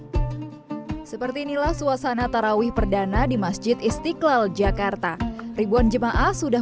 hai seperti inilah suasana tarawih perdana di masjid istiqlal jakarta ribuan jemaah sudah